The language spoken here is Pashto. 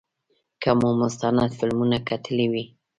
که مو مستند فلمونه کتلي وي.